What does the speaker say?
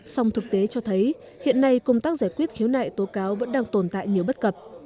song thực tế cho thấy hiện nay công tác giải quyết khiếu nại tố cáo vẫn đang tồn tại nhiều bất cập